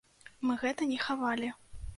Мы гэтага не хавалі.